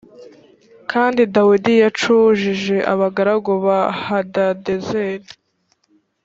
kandi dawidi yacujije abagaragu ba hadadezeri